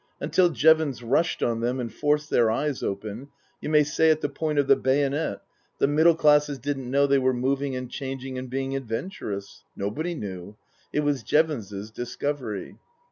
Until Jevons rushed on them and forced their eyes open, you may say at the point of the bayonet, the middle classes didn't know they were moving and changing and being adventurous. Nobody knew. It was Jevons's discovery.